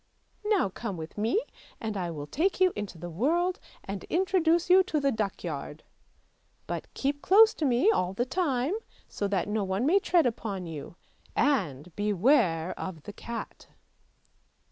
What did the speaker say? Now come with me and I will take you into the world, and introduce you to the duckyard; but keep close to me all the time, so that no one may tread upon you, and beware of the cat!